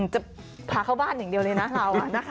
จะพาเข้าบ้านอย่างเดียวเลยนะเรา